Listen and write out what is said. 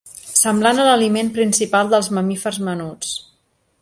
Semblant a l'aliment principal dels mamífers menuts.